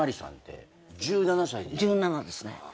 １７ですね。